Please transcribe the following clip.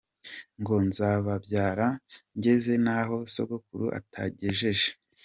Ngo nzababyara ngeze n’aho Sogokuru atagejeje.